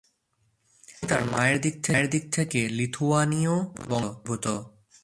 তিনি তার মায়ের দিক থেকে লিথুয়ানীয় বংশোদ্ভূত।